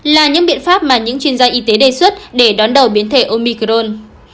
là những biện pháp mà những chuyên gia y tế đề xuất để đón đầu biến thể omicron